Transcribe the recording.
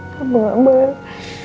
kamu gak boleh